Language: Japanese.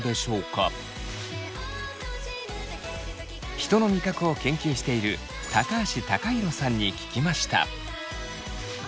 人の味覚を研究している橋貴洋さんに聞きました。